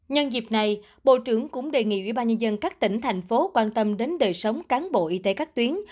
nhân dịp này bộ trưởng cũng đề nghị ubnd các tỉnh thành phố quan tâm đến đời sống cán bộ y tế các tuyến